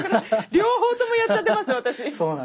両方ともやっちゃってます